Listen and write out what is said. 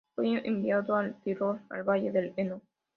Fue enviado al Tirol, al valle del Eno.